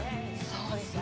そうですね。